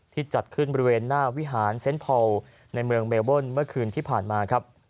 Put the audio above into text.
จัดขึ้นบริเวณหน้าวิหารเซ็นต์พอลในเมืองเบลเบิ้ลเมื่อคืนที่ผ่านมาครับ